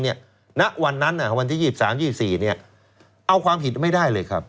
ณวันนั้นวันที่๒๓๒๔เอาความผิดไม่ได้เลยครับ